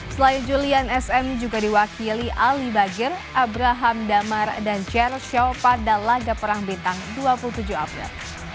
selain julian sm juga diwakili ali bajir abraham damar dan cher show pada laga perang bintang dua puluh tujuh april